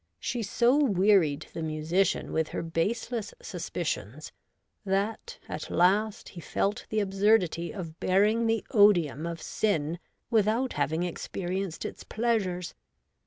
She so wearied the musician with her baseless suspicions, that at last he felt the absurdity of bearing the odium of sin without having experienced its pleasures.